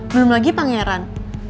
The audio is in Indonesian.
belum lagi pangeran